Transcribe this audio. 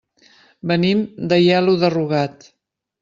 Venim d'Aielo de Rugat.